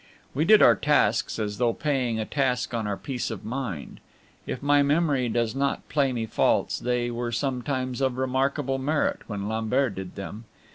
We did our tasks as though paying a task on our peace of mind. If my memory does not play me false, they were sometimes of remarkable merit when Lambert did them.